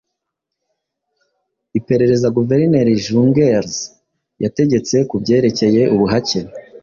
Iperereza Guverineri Jungers yategetse kubyerekeye ubuhake,